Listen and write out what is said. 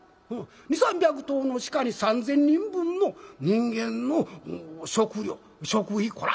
２００３００頭の鹿に３，０００人分の人間の食料食費こら